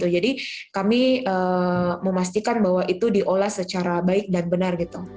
jadi kami memastikan bahwa itu diolah secara baik dan benar